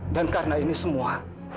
dan karena ini semua